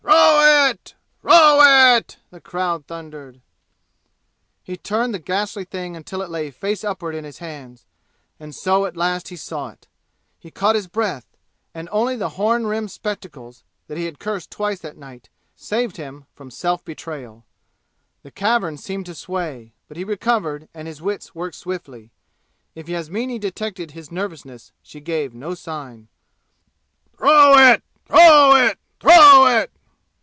"Throw it! Throw it!" the crowd thundered. He turned the ghastly thing until it lay face upward in his hands, and so at last he saw it. He caught his breath, and only the horn rimmed spectacles, that he had cursed twice that night, saved him from self betrayal. The cavern seemed to sway, but he recovered and his wits worked swiftly. If Yasmini detected his nervousness she gave no sign. "Throw it! Throw it! Throw it!"